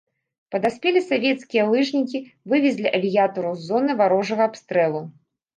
Падаспелі савецкія лыжнікі, вывезлі авіятараў з зоны варожага абстрэлу.